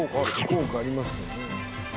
効果ありますよね。